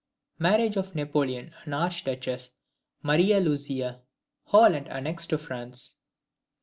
Marriage of Napoleon and the Arch duchess Maria Louisa. Holland annexed to France.